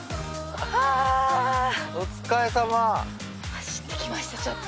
走ってきましたちょっと。